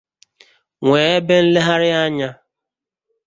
nwee ebe nlegharịanya